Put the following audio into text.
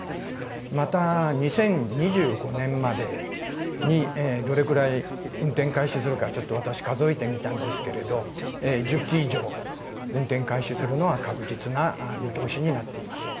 また、２０２５年までにどれくらい運転開始するか私、数えてみたんですけど１０基以上、運転開始するのは確実な見通しになっています。